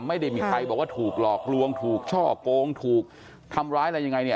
ไม่ได้มีใครบอกว่าถูกหลอกลวงถูกช่อกงถูกทำร้ายอะไรยังไงเนี่ย